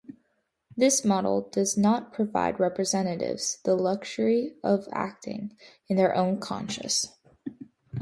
This model does not provide representatives the luxury of acting in their own conscience.